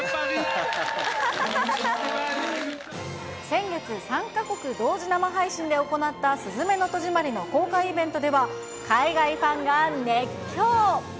先月、３か国同時生配信で行ったすずめの戸締まりの公開イベントでは、海外ファンが熱狂。